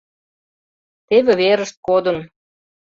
Теве верышт кодын.